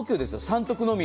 ３特のみ。